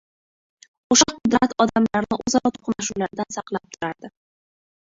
O‘sha Qudrat odamlarni o‘zaro to‘qnashuvlardan saqlab turadi.